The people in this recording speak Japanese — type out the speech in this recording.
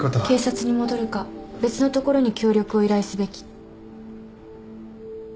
警察に戻るか別の所に協力を依頼すべき。